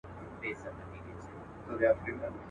ښار د سوداګرو دی په یار اعتبار مه کوه.